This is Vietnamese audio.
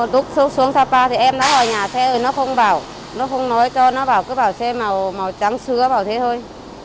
lúc xuống sapa thì em đã ở nhà xe rồi nó không bảo nó không nói cho nó cứ bảo xe màu trắng sứa bảo thế thôi